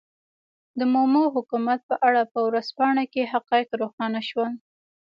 د مومو حکومت په اړه په ورځپاڼه کې حقایق روښانه شول.